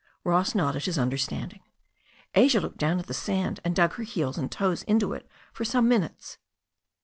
Ross nodded his understanding. Asia looked down at the sand, and dug her heels and toes into it for some minutes.